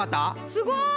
すごい！